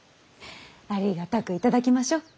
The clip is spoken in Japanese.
ありがたく頂きましょう。